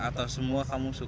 atau semua kamu suka